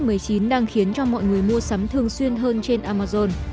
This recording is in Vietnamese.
covid một mươi chín đang khiến cho mọi người mua sắm thường xuyên hơn trên amazon